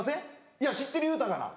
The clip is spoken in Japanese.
「いや知ってる言うたがな」。